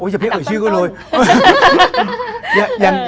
โอ้ยอย่าเพียงเอ่ยชื่อก็เลย